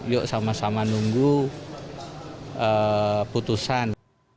yuk sama sama nunggu putusan